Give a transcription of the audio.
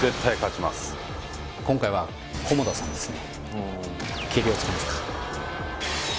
今回は菰田さんですね